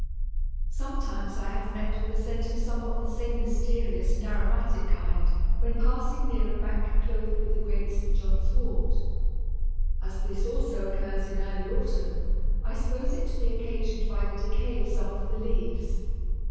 Sometimes I have met with a scent of somewhat the same mysterious and aromatic kind when passing near a bank clothed with the great St. John's Wort. As this also occurs in early autumn, I suppose it to be occasioned by the decay of some of the leaves.